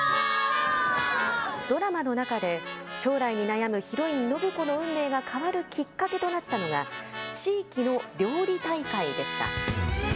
ドラマの中で将来に悩むヒロイン、暢子の運命が変わるきっかけとなったのが地域の料理大会でした。